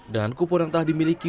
dengan kupur yang telah dimiliki